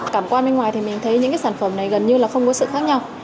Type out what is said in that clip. cảm quan bên ngoài thì mình thấy những cái sản phẩm này gần như là không có sự khác nhau